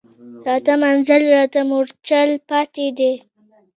راته منزل راته مورچل پاتي دی